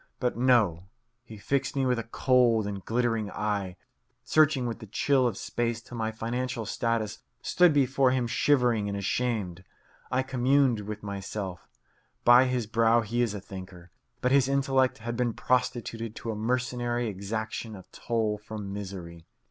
But no; he fixed me with a cold and glittering eye, searching with the chill of space till my financial status stood before him shivering and ashamed. I communed with myself: By his brow he is a thinker, but his intellect has been prostituted to a mercenary exaction of toll from misery.